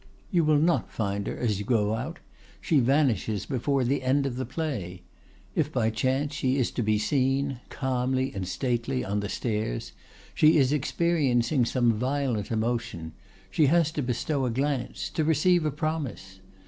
You will not find her as you go out; she vanishes before the end of the play. If by chance she is to be seen, calm and stately, on the stairs, she is experiencing some violent emotion; she has to bestow a glance, to receive a promise.